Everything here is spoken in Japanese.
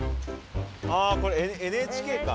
ああこれＮＨＫか。